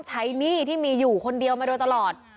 หนี้ที่มีอยู่คนเดียวมาโดยตลอด